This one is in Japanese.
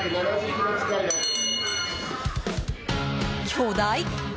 巨大！